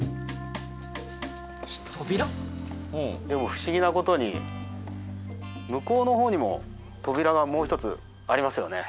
不思議な事に向こうの方にも扉がもう一つありますよね？